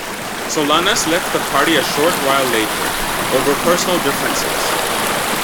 Solanas left the party a short while later over personal differences.